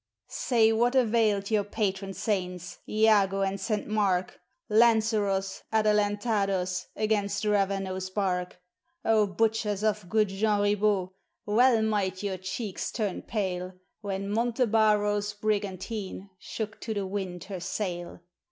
Say, what availed your patron saints, Iago and Saint Marc, Lanceros, Adelantados, against Ravenau's barque? O butchers of good Jean Ribault, well might your cheeks turn pale When Montebaro's brigantine shook to the wind her sail!